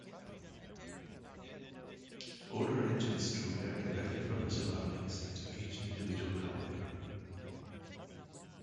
Older engines drew air directly from the surroundings into each individual carburetor.